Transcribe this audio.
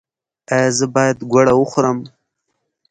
ایا زه باید ګوړه وخورم؟